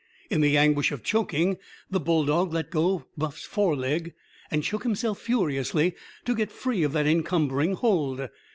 In the anguish of choking, the bulldog let go Buff's foreleg and shook himself furiously to get free of that encumbering hold.